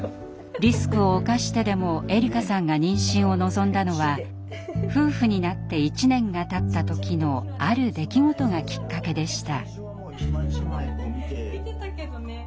リスクを冒してでもえりかさんが妊娠を望んだのは夫婦になって１年がたった時のある出来事がきっかけでした。